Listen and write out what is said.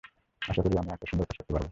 আশা করি, আমি একাই সুন্দর কাজ করতে পারব।